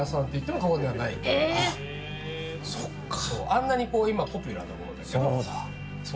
今はあんなにポピュラーなものですが。